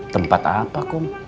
tempat apa kom